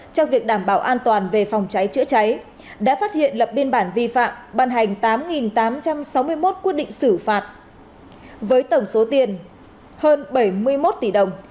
trong việc đảm bảo an toàn về phòng cháy chữa cháy đã phát hiện lập biên bản vi phạm ban hành tám tám trăm sáu mươi một quyết định xử phạt với tổng số tiền hơn bảy mươi một tỷ đồng